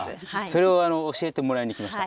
それを教えてもらいにきました。